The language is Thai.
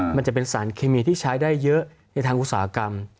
มันจะเป็นสารเคมีที่ใช้ได้เยอะในทางอุตสาหกรรม